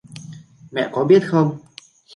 Mẹ có biết không?